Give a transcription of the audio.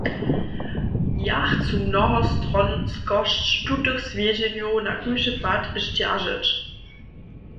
Ja chcu mnohostronskosć tutych swjedźenjow na kóždy pad zdźeržeć.